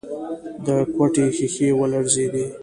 د کوټې ښيښې ولړزېدې.